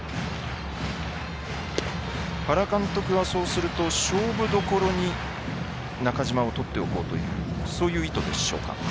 原監督はそうすると勝負どころに中島を取っておこうというそういう意図でしょうか。